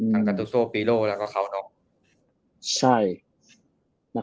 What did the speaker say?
ถ้างคาร์ดทูซโกฟีโรแล้วก็เขาเนาะ